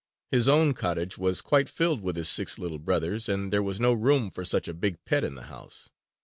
His own cottage was quite filled with his six little brothers; and there was no room for such a big pet in the house.